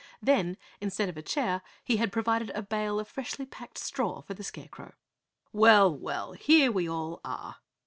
Then, instead of a chair, he had provided a bale of freshly packed straw for the Scarecrow. "Well, well, here we all are!"